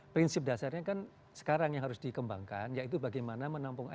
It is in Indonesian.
prinsip dasarnya kan sekarang yang harus dikembangkan yaitu bagaimana menampung air